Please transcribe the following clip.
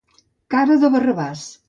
Cara de Barrabàs.